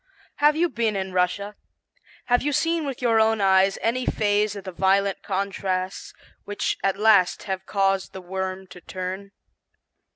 Have you been in Russia? Have you seen with your own eyes any phase of the violent contrasts which at last have caused the worm to turn?